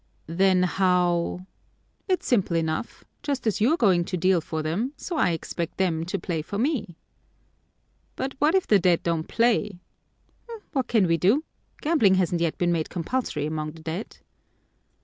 "Then how " "It's simple enough just as you're going to deal for them, so I expect them to play for me." "But what if the dead don't play?" "What can we do? Gambling hasn't yet been made compulsory among the dead."